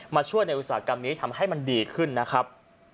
มาช่วยในอุตสาหกรรมนี้ทำให้มันดีขึ้นนะครับ